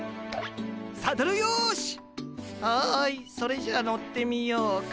はいそれじゃあ乗ってみようか。